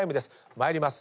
参ります。